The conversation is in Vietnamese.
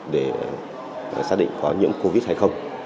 để xét nghiệm covid hay không